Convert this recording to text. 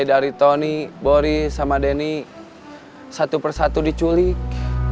kang mus ikut pensiun